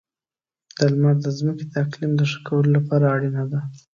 • لمر د ځمکې د اقلیم د ښه کولو لپاره اړینه ده.